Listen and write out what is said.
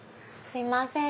すいません